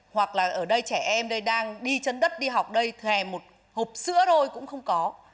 hoặc là ở đây trẻ em đang đi chấn đất đi học đây thèm một hộp sữa thôi cũng không có